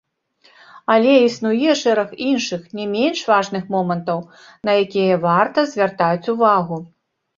Але існуе шэраг іншых, не менш важных момантаў, на якія варта звяртаць увагу.